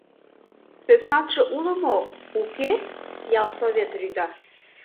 — Сӧснатше уло мо. уке? — ял совет рӱда.